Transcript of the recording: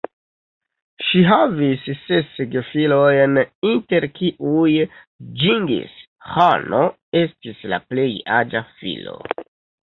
Ŝi havis ses gefilojn, inter kiuj Ĝingis-Ĥano estis la plej aĝa filo.